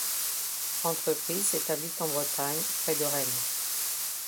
L'entreprise s'établit en Bretagne près de Rennes.